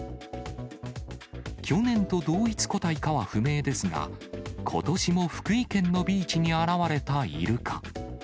去年と同一個体かは不明ですが、ことしも福井県のビーチに現れたイルカ。